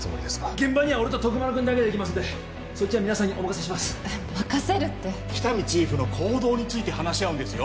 現場には俺と徳丸くんだけで行きますんでそっちは皆さんにお任せしますえ任せるって喜多見チーフの行動について話し合うんですよ